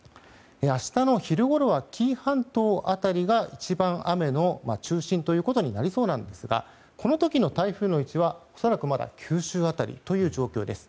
明日の昼ごろは紀伊半島辺りが一番雨の中心となりそうなんですがこの時の台風の位置は恐らく、まだ九州辺りという状況です。